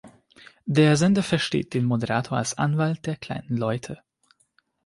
Der Sender versteht den Moderator als „Anwalt der kleinen Leute“.